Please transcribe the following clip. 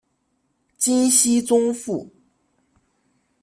金熙宗父。